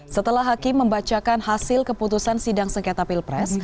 setelah hakim membacakan hasil keputusan sidang sengketa pilpres